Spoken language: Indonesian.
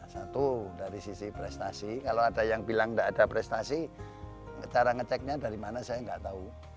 satu dari sisi prestasi kalau ada yang bilang tidak ada prestasi cara ngeceknya dari mana saya nggak tahu